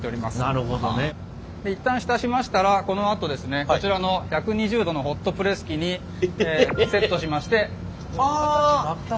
なるほどね。一旦浸しましたらこのあとですねこちらの１２０℃のホットプレス機にセットしまして徐々に曲げていきます。